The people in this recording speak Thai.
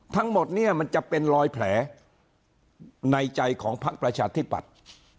ทั้งหมดเนี่ยมันจะเป็นรอยแผลในใจของพักประชาธิปัตย์